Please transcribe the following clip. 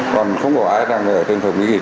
còn không có ai đang ở trên thông nghị